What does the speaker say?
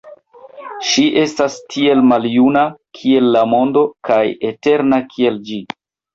Ŝi estas tiel maljuna, kiel la mondo, kaj eterna kiel ĝi.